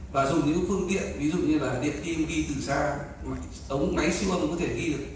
và dùng những phương tiện ví dụ như là điện tim đi từ xa mà ống máy siêu âm có thể ghi được